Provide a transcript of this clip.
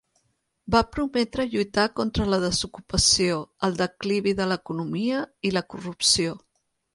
Va prometre lluitar contra la desocupació, el declivi de l'economia i la corrupció.